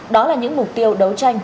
đó là những mục tiêu đấu tranh